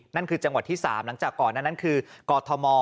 นั่นคือจังหวัดที่๓หลังจากก่อนนั้นคือกอทม